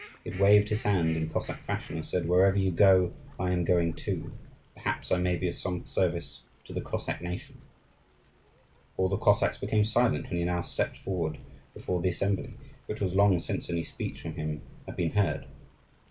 He had waved his hand in Cossack fashion, and said, "Wherever you go, I am going too; perhaps I may be of some service to the Cossack nation." All the Cossacks became silent when he now stepped forward before the assembly, for it was long since any speech from him had been heard.